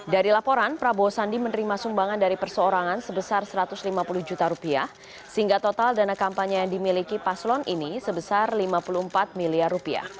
dari laporan prabowo sandi menerima sumbangan dari perseorangan sebesar rp satu ratus lima puluh juta sehingga total dana kampanye yang dimiliki paslon ini sebesar rp lima puluh empat miliar